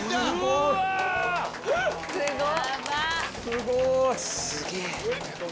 ・すごい！